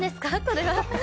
これは。